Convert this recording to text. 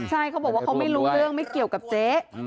ใช่เขาบอกว่าเขาไม่รู้เรื่องไม่เกี่ยวกับเจ๊